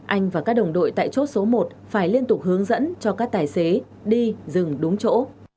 anh và các đồng đội tại chốt số một phải liên tục hướng dẫn cho các tài xế đi rừng đúng chỗ